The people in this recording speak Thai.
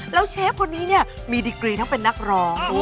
แล้วเชฟคนนี้เนี่ยมีดิกรีทั้งเป็นนักร้อง